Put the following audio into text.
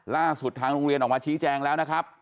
ล่าสุดทางโรงเรียนออกมาชี้แจงแล้วนะครับ